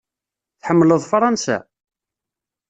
Tḥemmleḍ Fṛansa?